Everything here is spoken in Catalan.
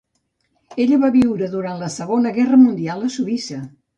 Ella va viure durant la Segona Guerra Mundial a Suïssa.